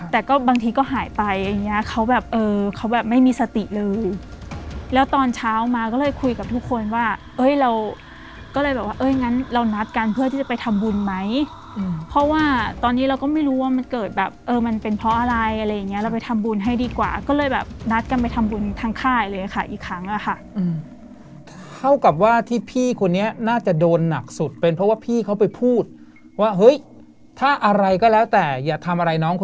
แต่ก็บางทีก็หายไปอย่างเงี้ยเขาแบบเออเขาแบบไม่มีสติเลยแล้วตอนเช้ามาก็เลยคุยกับทุกคนว่าเอ้ยเราก็เลยแบบว่าเอ้ยงั้นเรานัดกันเพื่อที่จะไปทำบุญไหมอืมเพราะว่าตอนนี้เราก็ไม่รู้ว่ามันเกิดแบบเออมันเป็นเพราะอะไรอะไรอย่างเงี้ยเราไปทำบุญให้ดีกว่าก็เลยแบบนัดกันไปทำบุญทางค่ายเลยอะค่ะอีกครั้งอะค่ะอืม